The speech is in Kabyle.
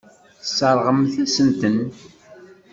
Tesseṛɣemt-asent-ten.